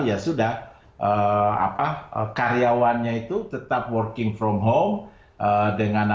ya sudah karyawannya itu tetap working from home